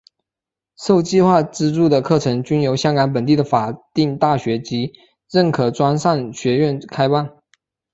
受计划资助的课程均由香港本地的法定大学及认可专上学院开办。